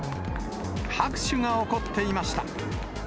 拍手が起こっていました。